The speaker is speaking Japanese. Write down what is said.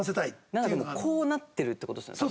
なんかでもこうなってるって事ですよね？